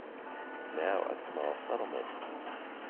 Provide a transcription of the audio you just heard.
Now a small settlement.